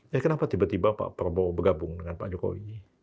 ya kenapa tiba tiba pak prabowo bergabung dengan pak jokowi